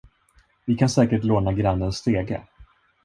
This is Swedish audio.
Vi kan säkert låna grannens stege!